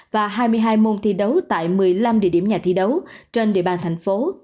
và hai mươi hai môn thi đấu tại một mươi năm địa điểm nhà thi đấu trên địa bàn thành phố